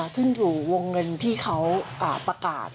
ขึ้นอยู่วงเงินที่เขาประกาศ